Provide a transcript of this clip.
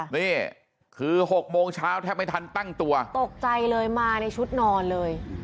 นี่คือ๖โมงเช้าแทบไม่ทันตั้งตัวตกใจเลยมาในชุดนอนเลย